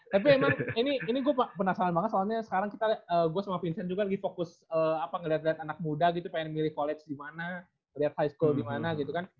tapi emang ini gue penasaran banget soalnya sekarang kita gue sama vincent juga lagi fokus ngeliat ngeliat anak muda gitu pengen milih college dimana liat high school dimana gitu kan